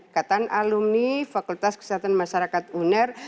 kataan alumni fakultas kesehatan masyarakat uner